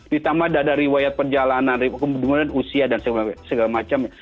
ditambah ada riwayat perjalanan kemudian usia dan segala macamnya